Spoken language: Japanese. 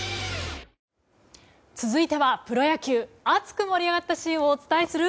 続いてはプロ野球熱く盛り上がったシーンをお伝えする。